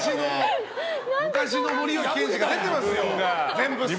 昔の森脇健児が出てますよ。